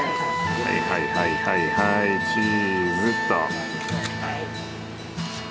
はいはいはいはいはいチーズと。